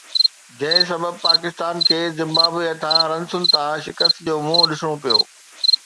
جنهن سبب پاڪستان کي زمبابوي هٿان رنسن تان شڪست جو منهن ڏسڻو پيو